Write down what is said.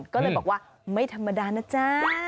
ก็เลยบอกว่าไม่ธรรมดานะจ๊ะ